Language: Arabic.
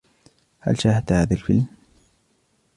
هل شاهدت هذا الفلم.